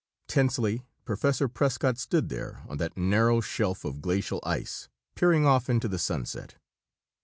Tensely Professor Prescott stood there on that narrow shelf of glacial ice, peering off into the sunset.